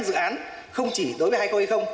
dự án không chỉ đối với hai nghìn hai mươi